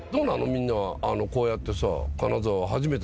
みんなはこうやってさ。